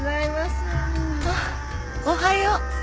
あっおはよう。